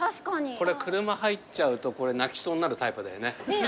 これ車入っちゃうと泣きそうになるタイプだよね。